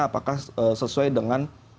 apakah sesuai dengan harapan kita bersama